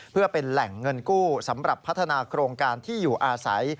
เพื่อเป็นแหล่งเงินกู้สำหรับพัฒนาโครงการที่อยู่อาศัย